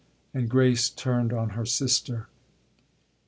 and Grace turned on her sister.